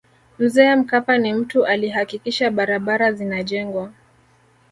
mzee mkapa ni mtu alihakikisha barabara zinajengwa